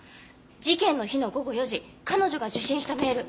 事件の日の午後４時彼女が受信したメール。